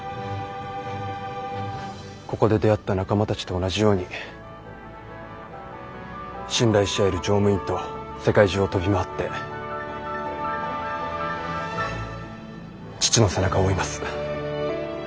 ここで出会った仲間たちと同じように信頼し合える乗務員と世界中を飛び回って父の背中を追います。